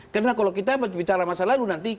karena kalau kita bicara masa lalu nanti